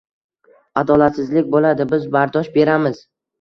Adolatsizlik bo'ladi, biz bardosh beramiz